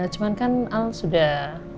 cuman kan al sudah